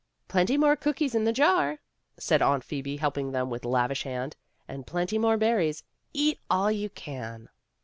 "Plenty more cookies in the jar," said Aunt Phoebe, helping them with lavish hand. "And plenty more berries. Eat all you can."